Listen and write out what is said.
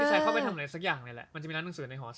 ชายเข้าไปทำอะไรสักอย่างเลยแหละมันจะมีร้านหนังสือในหอ